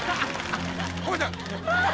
浜ちゃん。